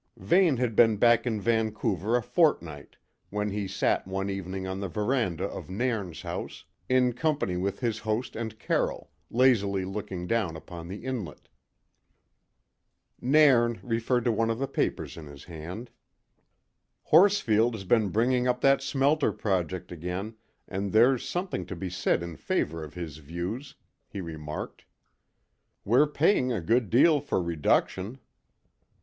Vane had been back in Vancouver a fortnight when he sat one evening on the verandah of Nairn's house in company with his host and Carroll, lazily looking down upon the inlet. Nairn referred to one of the papers in his hand. "Horsfield has been bringing up that smelter project again, and there's something to be said in favour of his views," he remarked. "We're paying a good deal for reduction."